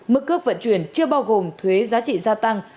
mức cước vận chuyển chưa bao gồm thuế giá trị gia tăng